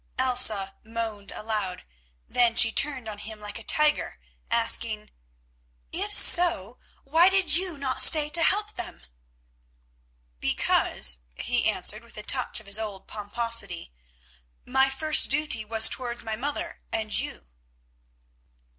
Elsa moaned aloud, then she turned on him like a tiger, asking: "If so, why did you not stay to help them?" "Because," he answered with a touch of his old pomposity, "my first duty was towards my mother and you."